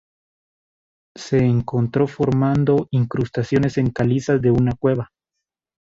Se encontró formando incrustaciones en calizas de una cueva.